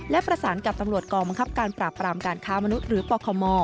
และประสานกับตำรวจกองบังคับการปราบปรามการค้ามนุษย์หรือปคม